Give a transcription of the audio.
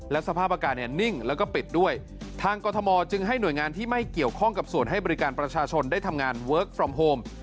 สภาพอากาศเนี่ยนิ่งแล้วก็ปิดด้วยทางกรทมจึงให้หน่วยงานที่ไม่เกี่ยวข้องกับส่วนให้บริการประชาชนได้ทำงานเวิร์คฟรอมโฮม